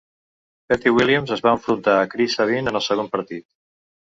Petey Williams es va enfrontar a Chris Sabin en el segon partit.